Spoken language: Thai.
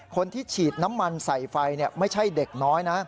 คนที่ฉีดน้ำมันใส่ไฟไม่ใช่เด็กน้อยนะ